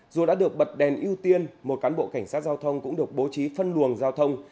dù đã được bật đèn ưu tiên một cán bộ cảnh sát giao thông cũng được bố trí phân luồng giao thông